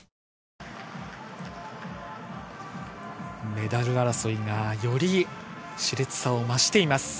メダル争いがよりし烈さを増しています。